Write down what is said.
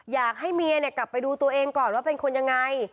อยากให้เมียกลับไปดูตัวเองก่อนว่าเป็นคนยังไง